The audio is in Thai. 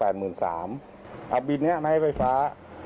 เอาบินนี้มาให้ไฟฟ้า